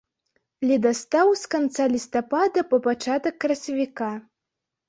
Ледастаў з канца лістапада па пачатак красавіка.